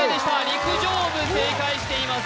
陸上部正解しています